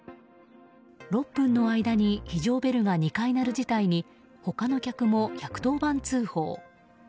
６分の間に非常ベルが２回鳴る事態に他の客も１１０番通報。